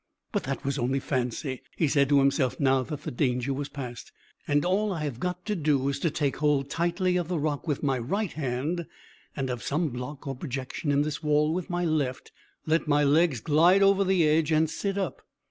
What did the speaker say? "But that was only fancy," he said to himself now the danger was past, "and all I have got to do is to take hold tightly of the rock with my right hand and of some block or projection in this wall with my left, let my legs glide over the edge, and sit up.